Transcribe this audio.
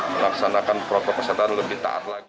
melaksanakan protokol kesehatan lebih taat lagi